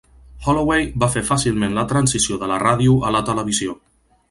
Holloway va fer fàcilment la transició de la ràdio a la televisió.